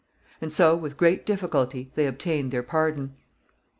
And so, with great difficulty, they obtained their pardon.